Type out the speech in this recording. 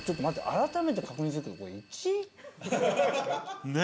改めて確認するけどこれ１？ねえ。